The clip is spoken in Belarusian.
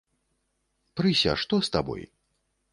Прыся, што з табой?